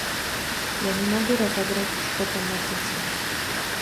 Я не могу разобрать, что там написано.